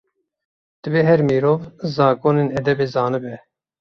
Divê her mirov, zagonên edebê zanibe.